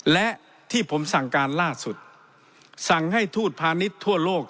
และที่ผมสั่งการล่าสุดสั่งให้ทูตพาณิชย์ทั่วโลก